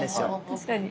確かに。